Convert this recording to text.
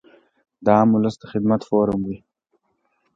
د عام اولس د خدمت فورم وي -